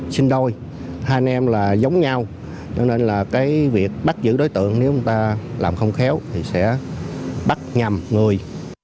sinh đôi hai anh em là giống nhau cho nên là cái việc bắt giữ đối tượng nếu chúng ta làm không khéo thì sẽ bắt nhằm người